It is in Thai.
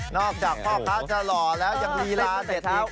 นอกจากพ่อพระจะหลอดีแล้วกับสลังการพลัง